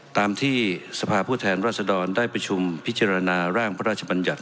ตามที่สภาพผู้แทนรัศดรได้ประชุมพิจารณาร่างพระราชบัญญัติ